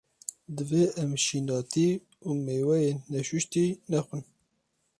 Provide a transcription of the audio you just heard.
Divê em şînatî û mêweyên neşuştî, nexwin.